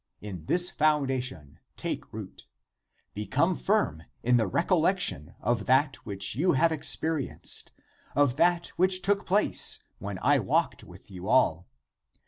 In this foundation take root. Become firm in the recollection of that which you have expe rienced, of that which took place, when I walked with you all!